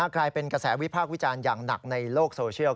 กลายเป็นกระแสวิพากษ์วิจารณ์อย่างหนักในโลกโซเชียล